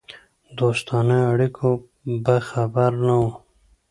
دوستانه اړیکو به خبر نه وو.